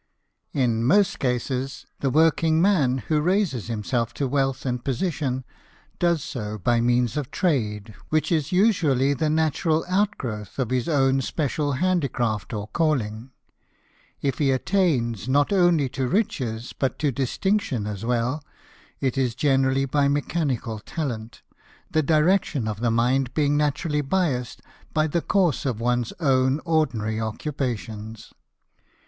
N most cases, the working man who raises himself to wealth and position, does so by means of trade, which is usually the natural outgrowth of his own special handicraft or calling. If he attains, not only to riches, but to distinction as well, it is in general by mechanical talent, the direction of the mind being naturally biased by the course of one's own ordinary occupations.